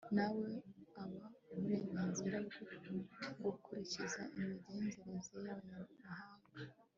na we abaha uburenganzira bwo gukurikiza imigenzereze y'abanyamahanga